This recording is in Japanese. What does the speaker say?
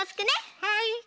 はい。